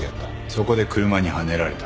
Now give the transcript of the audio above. そこで車にはねられた。